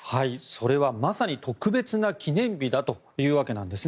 それはまさに特別な記念日だというわけです。